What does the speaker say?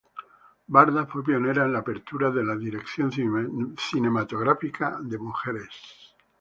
Varda fue pionera en la apertura de la dirección cinematográfica a las mujeres.